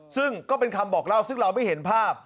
ซึ่งก็เป็นคำบอกเล่าซึ่งเราไม่เห็นภาพ